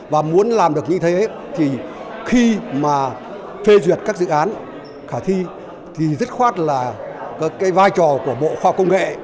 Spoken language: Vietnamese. và muốn làm được như thế thì khi mà phê duyệt các dự án khả thi thì dứt khoát là cái vai trò của bộ khoa công nghệ